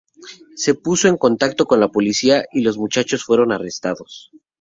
Se puso en contacto con la policía y los muchachos fueron arrestados.